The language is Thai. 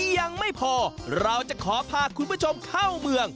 ยังไม่พอเราจะขอพาคุณผู้ชมเข้าเมือง